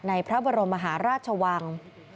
พระบรมมหาราชวัง